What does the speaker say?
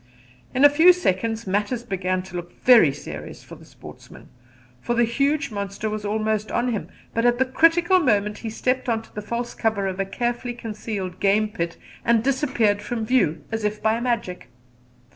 In a few seconds matters began to look very serious for the sportsman, for the huge monster was almost on him; but at the critical moment he stepped on to the false cover of a carefully concealed game pit and disappeared from view as if by magic.